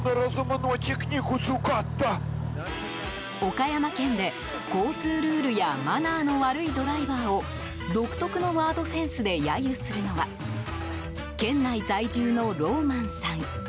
岡山県で交通ルールやマナーの悪いドライバーを独特のワードセンスで揶揄するのは県内在住のローマンさん。